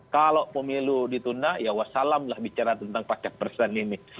kalau pemilu ditunda ya wassalamlah bicara tentang pacar persen ini